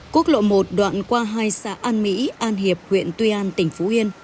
quốc lộ một đoạn qua hai xã an mỹ an hiệp huyện tuy an tỉnh phú yên